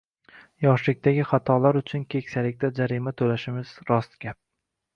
Yoshlikdagi xatolar uchun keksalikda jarima to’lashimiz rost gap.